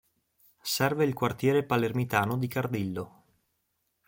Serve il quartiere palermitano di Cardillo.